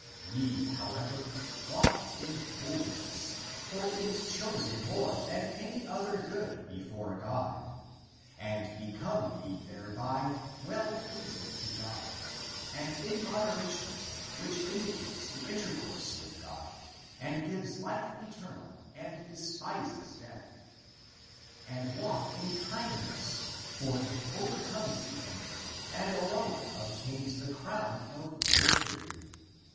"Ye, however, <walk in holiness, for it is chosen more than any other good before God,> and become ye thereby well pleasing to God, <and in moderation, which indicates the intercourse with God> and gives life eternal and despises death. And (walk) in kindness (meekness), for it over comes the enemy and alone obtains the crown of victory.